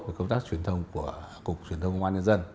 với công tác truyền thông của cục truyền thông công an nhân dân